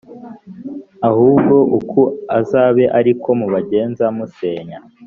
ahubwo uku azabe ari ko mubagenza musenya